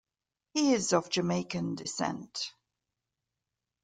He is of Jamaican descent.